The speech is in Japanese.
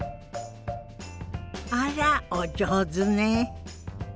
あらお上手ね。